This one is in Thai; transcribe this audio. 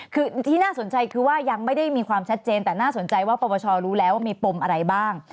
คือที่น่าสนใจคือว่ายังไม่ได้มีความชัดเจนแต่น่าสนใจว่าปปชรู้แล้วว่ามีปมอะไรบ้าง